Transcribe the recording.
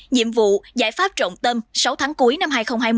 nhiệm vụ giải pháp trọng tâm sáu tháng cuối năm hai nghìn hai mươi